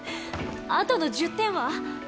あとの１０点は？